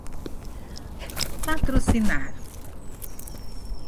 patrocinar